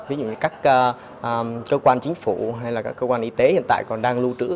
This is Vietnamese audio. ví dụ như các cơ quan chính phủ hay là các cơ quan y tế hiện tại còn đang lưu trữ